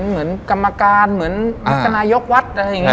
เหมือนกรรมการเหมือนจะนายกวัดอะไรอย่างนี้